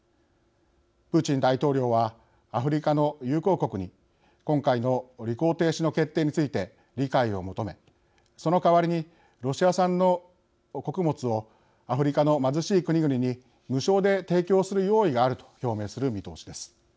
プーチン大統領はアフリカの友好国に今回の履行停止の決定について理解を求めその代わりにロシア産の穀物をアフリカの貧しい国々に無償で提供する用意があると表明する見通しです。